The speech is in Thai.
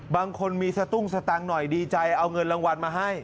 บางคนมีสตุ้งสตังค์หน่อยดีใจเอาเงินรางวัลมาให้